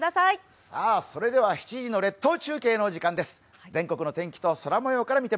それでは７時の列島中継の時間です。